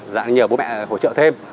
dạng nhờ bố mẹ hỗ trợ thêm